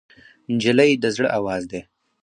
نجلۍ د زړه آواز دی.